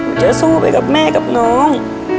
จะสู้ไปกับแม่กับน้อง